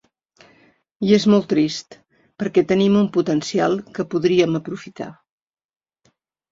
I és molt trist perquè tenim un potencial que podríem aprofitar.